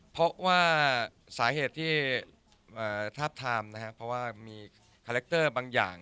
เพราะว่าสาเหตุที่ทาบทามนะครับเพราะว่ามีคาแรคเตอร์บางอย่าง